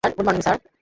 Good morning sir.